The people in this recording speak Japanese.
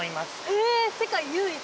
え世界唯一？